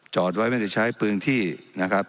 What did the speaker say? จอดไว้ไม่ได้ใช้ปืนที่นะครับ